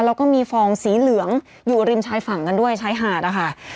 แล้วก็มีฟองสีเหลืองอยู่ริมชายฝั่งกันด้วยชายหาดนะคะ